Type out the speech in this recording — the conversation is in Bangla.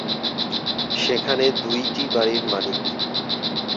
সেখানে দুইটি বাড়ির মালিক তিনি।